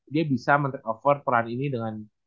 dia bisa mengecoffer peran ini dengan